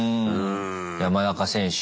山中選手。